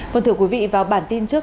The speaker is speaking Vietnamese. vâng thưa quý vị vào bản tin trước